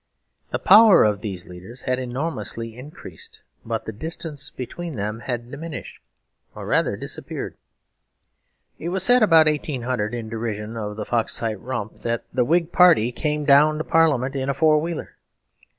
The power of these leaders had enormously increased; but the distance between them had diminished, or, rather, disappeared. It was said about 1800, in derision of the Foxite rump, that the Whig Party came down to Parliament in a four wheeler.